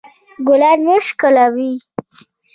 ګلان مه شکولوئ